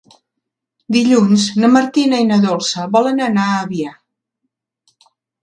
Dilluns na Martina i na Dolça volen anar a Avià.